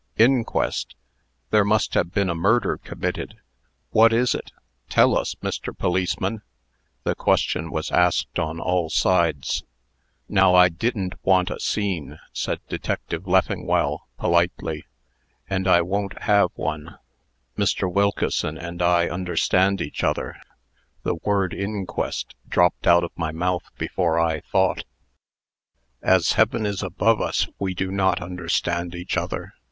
"Inquest! There must have been a murder committed." "What is it?" "Tell us, Mr. Policeman." The question was asked on all sides. "Now I didn't want a scene," said Detective Leffingwell, politely, "and I won't have one. Mr. Wilkeson and I understand each other. The word 'inquest' dropped out of my mouth before I thought." "As heaven is above us, we do not understand each other!"